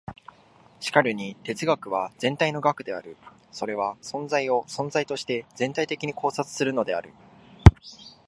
しかるに哲学は全体の学である。それは存在を存在として全体的に考察するのである。